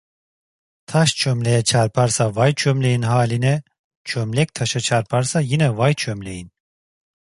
Taş çömleğe çarparsa vay çömleğin haline, çömlek taşa çarparsa yine vay çömleğin.